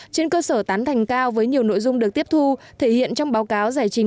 trên cơ sở tán thành cao với nhiều nội dung được tiếp thu thể hiện trong báo cáo giải trình